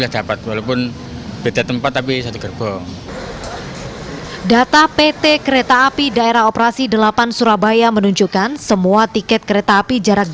dapat tiketnya ya pak